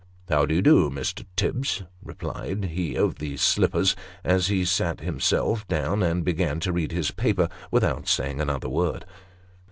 " How do you do, Mr. Tibbs? " replied he of the slippers, as he sat him self down, and began to read his paper without saying another word.